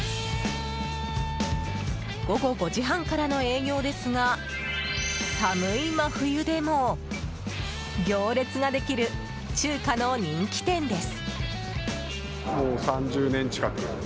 午後５時半からの営業ですが寒い真冬でも行列ができる中華の人気店です。